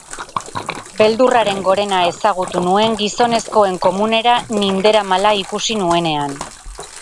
Beldurraren gorena ezagutu nuen gizonezkoen komunera ninderamala ikusi nuenean.